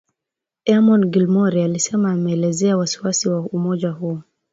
Eamon Gilmore alisema ameelezea wasi wasi wa umoja huo